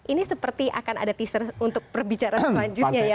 ini seperti akan ada teaser untuk perbicaraan selanjutnya ya